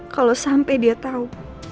kalau sampai dia tau